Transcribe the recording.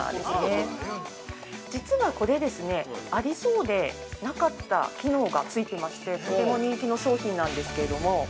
◆実はこれですね、ありそうでなかった機能がついてまして、とても人気の商品なんですけれども。